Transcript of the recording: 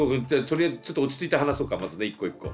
とりあえずちょっと落ち着いて話そうかまずね一個一個。